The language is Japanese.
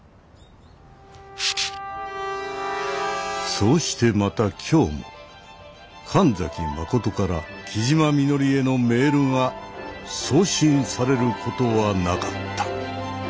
そうしてまた今日も神崎真から木嶋みのりへのメールが送信されることはなかった。